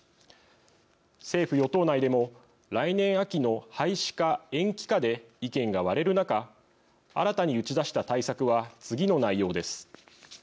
政府・与党内でも来年秋の廃止か延期かで意見が割れる中新たに打ち出した対策は次の内容です。